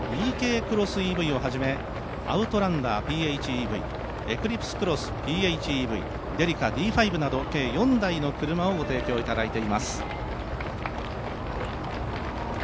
クロスＥＶをはじめアウトランダーＰＨＥＶ、エクリプスクロスＰＨＥＶ、デリカＤ：５など計４台の車をご提供いただいています。